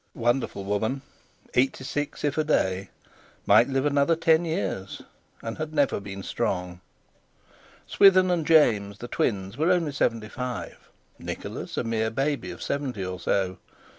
Wonderful woman! Eighty six if a day; might live another ten years, and had never been strong. Swithin and James, the twins, were only seventy five, Nicholas a mere baby of seventy or so.